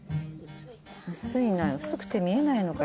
薄いな薄くて見えないのか。